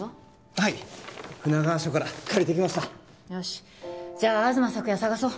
はい船川署から借りてきましたよしじゃ東朔也捜そう